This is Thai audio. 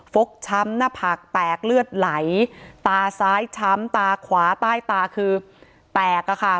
กช้ำหน้าผากแตกเลือดไหลตาซ้ายช้ำตาขวาใต้ตาคือแตกอะค่ะ